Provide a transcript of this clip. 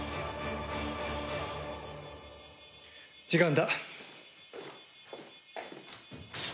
時間だ。